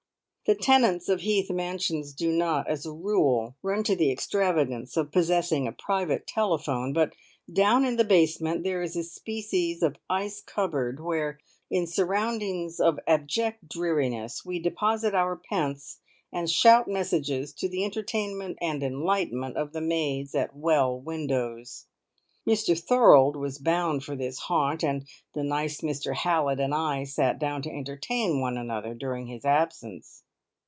The tenants of Heath Mansions do not, as a rule, run to the extravagance of possessing a private telephone, but down in the basement there is a species of ice cupboard, where, in surroundings of abject dreariness, we deposit our pence and shout messages, to the entertainment and enlightenment of the maids at "Well" windows. Mr Thorold was bound for this haunt, and the nice Mr Hallett and I sat down to entertain one another during his absence.